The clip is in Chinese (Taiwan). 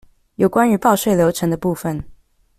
有關於報稅流程的部分